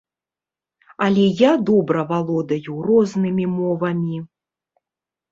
Але я добра валодаю рознымі мовамі.